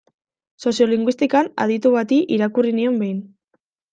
Soziolinguistikan aditu bati irakurri nion behin.